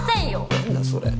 何だそれ。